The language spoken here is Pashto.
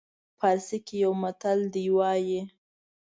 پارسي کې یو متل دی وایي.